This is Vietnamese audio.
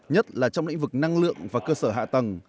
nhất là trong lĩnh vực năng lượng và cơ sở hạ tầng